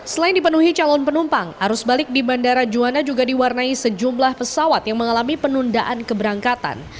selain dipenuhi calon penumpang arus balik di bandara juanda juga diwarnai sejumlah pesawat yang mengalami penundaan keberangkatan